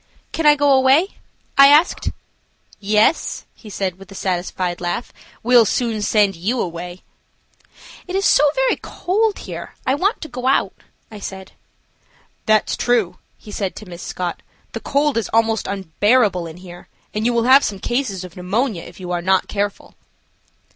"Can I go away?" I asked. "Yes," he said, with a satisfied laugh, "we'll soon send you away." "It is so very cold here, I want to go out," I said. "That's true," he said to Miss Scott. "The cold is almost unbearable in here, and you will have some cases of pneumonia if you are not careful."